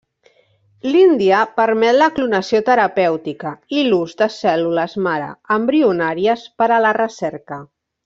L'Índia permet la clonació terapèutica i l'ús de cèl·lules mare embrionàries per a la recerca.